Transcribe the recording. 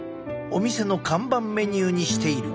お店の看板メニューにしている。